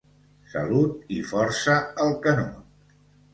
Salut i força al canut!